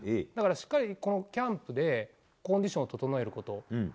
だから、しっかりキャンプでコンディションを整えること。